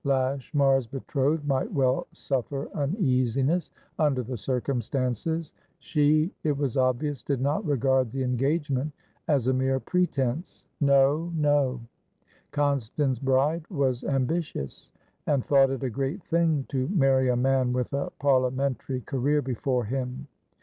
Lashmar's betrothed might well suffer uneasiness, under the circumstances; she, it was obvious, did not regard the engagement as a mere pretence. No, no; Constance Bride was ambitious, and thought it a great thing to marry a man with a parliamentary career before him.